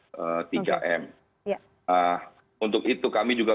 oke untuk itu kami juga minta untuk membatuhkan masyarakat